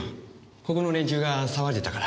ここの連中が騒いでたから。